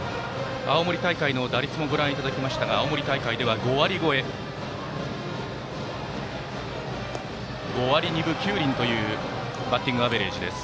青森大会の打率もご覧いただきましたが青森大会では５割２分９厘というバッティングアベレージです。